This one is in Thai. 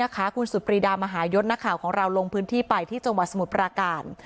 คุณสุดปรีดามหายศนักข่าวของเราลงพื้นที่ไปที่จังหวัดสมุทรปราการ